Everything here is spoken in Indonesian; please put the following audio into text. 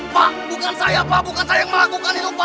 pak bukan saya pak bukan saya yang melakukan itu pak